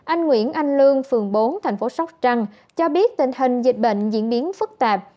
anh nguyễn anh lương phường bốn thành phố sóc trăng cho biết tình hình dịch bệnh diễn biến phức tạp